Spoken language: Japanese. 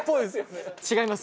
違います。